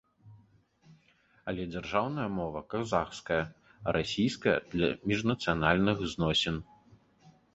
Але дзяржаўная мова казахская, а расійская для міжнацыянальных зносін.